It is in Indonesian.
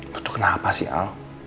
lu tuh kenapa sih al